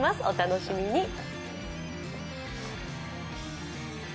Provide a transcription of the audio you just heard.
お楽しみに。